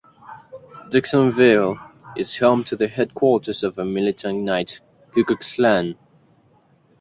Dixonville is home to the headquarters of the Militant Knights Ku Klux Klan.